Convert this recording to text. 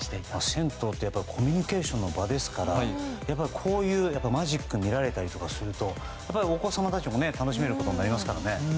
銭湯ってコミュニケーションの場ですからこういうマジックを見られたりするとお子さんたちも楽しめますからね。